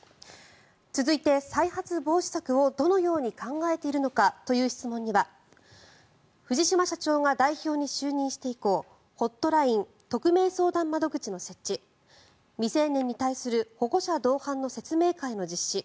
続いて、再発防止策をどのように考えているのかという質問には藤島社長が代表に就任して以降ホットライン匿名相談窓口の設置未成年に対する保護者同伴の説明会の実施